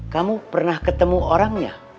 kamu pernah ketemu orangnya